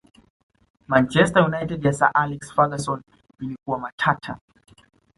manchester united ya sir alex ferguson ilikuwa matata